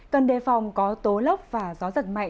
cần đề phòng có tố lốc và gió giật mạnh